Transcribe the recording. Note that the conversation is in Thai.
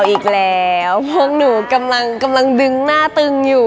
อีกแล้วพวกหนูกำลังดึงหน้าตึงอยู่